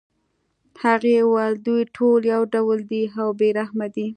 هغې ویل دوی ټول یو ډول دي او بې رحمه دي